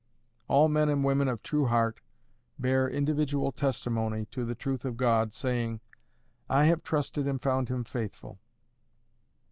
All men and women of true heart bear individual testimony to the truth of God, saying, "I have trusted and found Him faithful."